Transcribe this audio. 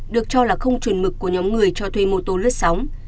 được cho là không chuẩn mực của nhóm người cho thuê mô tô lướt sóng